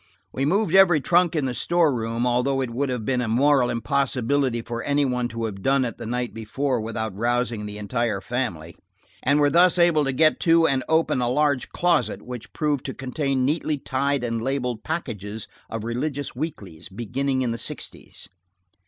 We moved every trunk in the store room, although it would have been a moral impossibility for any one to have done it the night before without rousing the entire family, and were thus able to get to and open a large closet, which proved to contain neatly tied and labeled packages of religious weeklies, beginning in the sixties.